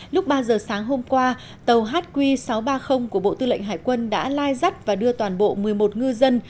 lúc ba giờ sáng hôm qua tàu hq sáu trăm ba mươi của bộ tư lệnh hải quân đã lai dắt và đưa toàn bộ một mươi một ngư dân